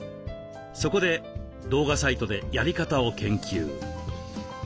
そこで動画サイトでやり方を研究。